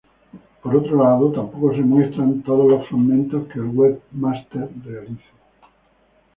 Por otro lado, tampoco se muestran todos los fragmentos que el "webmaster" realice.